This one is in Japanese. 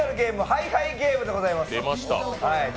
「ハイハイゲーム！！」でございます。